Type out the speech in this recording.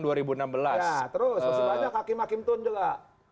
terus maksudnya hakim hakim tun juga